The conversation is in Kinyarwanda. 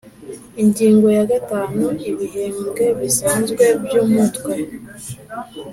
Ingingo ya gatanu Ibihembwe bisanzwe by Umutwe